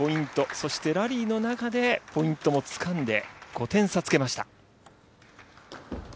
そしてラリーの中でポイントもつかんで５点差つけました。